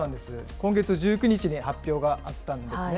今月１９日に発表があったんですね。